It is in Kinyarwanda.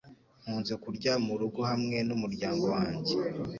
Nkunze kurya murugo hamwe n'umuryango wanjye.